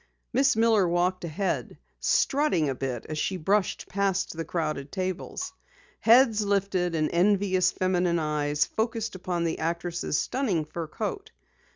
Miss Miller walked ahead, strutting a bit as she brushed past the crowded tables. Heads lifted and envious feminine eyes focused upon the actress' stunning fur coat.